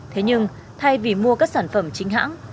thế nhưng thay vì mua các sản phẩm chính hãng